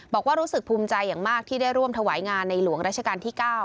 บอกว่ารู้สึกภูมิใจอย่างมากที่ได้ร่วมถวายงานในหลวงราชการที่๙